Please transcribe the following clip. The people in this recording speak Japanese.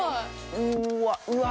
うわ。